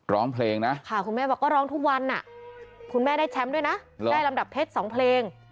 ร้องเพลงนะค่ะคุณแม่บอกก็ร้องทุกวันคุณแม่ได้แชมป์ด้วยนะได้ลำดับเพชร๒เพลง